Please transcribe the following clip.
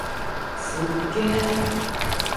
すっげー！